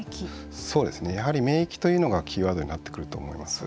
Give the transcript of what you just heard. やはり免疫というのがキーワードになってくると思います。